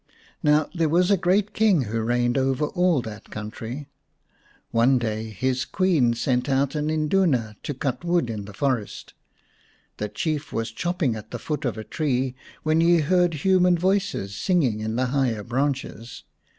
Now there was a great King who reigned over all that country. One day his Queen sent out an Induna to cut wood in the forest. The Chief was chopping at the foot of a tree when he heard human voices singing in the higher branches.